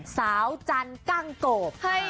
สาวจันกั้งโกบ